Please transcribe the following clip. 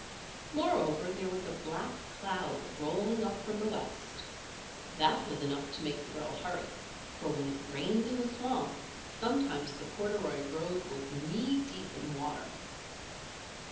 Moreover there was a black cloud rolling up from the west. That was enough to make the girl hurry, for when it rained in the swamp, sometimes the corduroy road was knee deep in water.